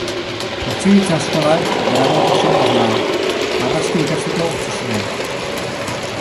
Ontzigintza-eskolan graduatu zen baina marrazkia ikasteko utzi zuen.